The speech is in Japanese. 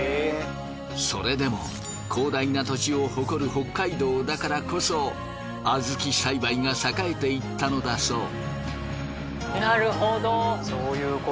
それでも広大な土地を誇る北海道だからこそ小豆栽培が栄えていったのだそう。